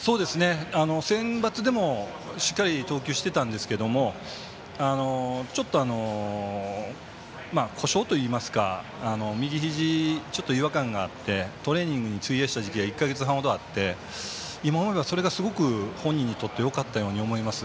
センバツでもしっかり投球をしていたんですけどもちょっと故障といいますか右ひじに、ちょっと違和感があってトレーニングに費やした時期が１か月ほどあって今、思えばそれが本人にとってよかったように思います。